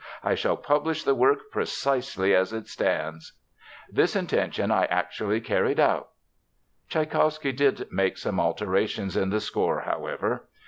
'I shall publish the work precisely as it stands.' This intention I actually carried out." Tschaikowsky did make some alterations in the score, however.